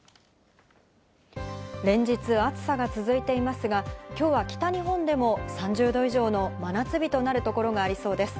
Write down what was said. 連日暑さが続いていますが、今日は北日本でも３０度以上の真夏日となるところがありそうです。